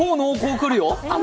来るよ。